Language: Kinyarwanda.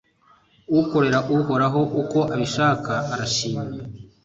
ukorera uhoraho uko abishaka, arashimwa